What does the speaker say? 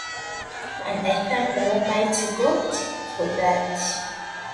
The celebration dates from a time long before the beginning of our era.